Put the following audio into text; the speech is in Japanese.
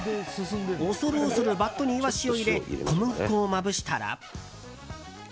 恐る恐るバットにイワシを入れ小麦粉をまぶしたら。